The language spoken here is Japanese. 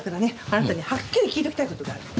あなたにはっきり聞いておきたい事があるの。